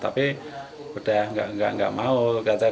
tapi sudah tidak mau berhenti